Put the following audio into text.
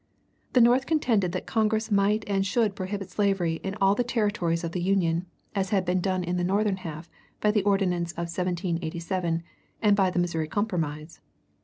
The North contended that Congress might and should prohibit slavery in all the territories of the Union, as had been done in the Northern half by the Ordinance of 1787 and by the Missouri Compromise.